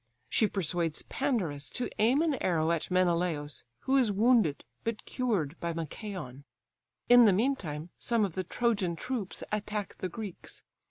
She persuades Pandarus to aim an arrow at Menelaus, who is wounded, but cured by Machaon. In the meantime some of the Trojan troops attack the Greeks.